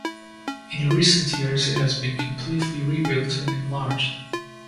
In recent years it has been completely rebuilt and enlarged.